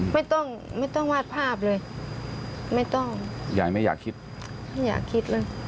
ไม่ต้องไม่ต้องวาดภาพเลยไม่ต้องใหญ่ไม่อยากคิดไม่อยากคิดเลย